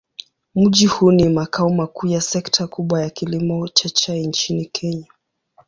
Mji huu ni makao makuu ya sekta kubwa ya kilimo cha chai nchini Kenya.